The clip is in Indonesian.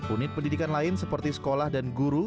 unit pendidikan lain seperti sekolah dan guru